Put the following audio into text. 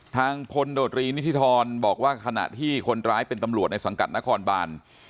ทางพลโดรีนิธิธรบอกว่าขณะที่คนร้ายเป็นตำรวจในสังกัดนครบาน